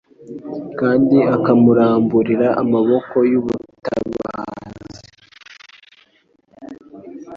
kandi akamuramburira amaboko y'ubutabazi.